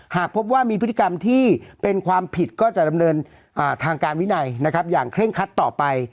หากพบว่ามีพฤติกรรมที่เป็นความผิดก็จะดำเนินทางการวินัยนะครับอย่างเคร่งคัดต่อไป